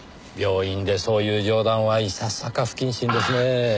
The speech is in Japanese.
病院でそういう冗談はいささか不謹慎ですね。